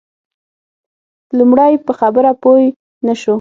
لومړی په خبره پوی نه شو.